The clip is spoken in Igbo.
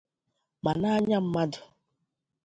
Ma n'anya mmadụ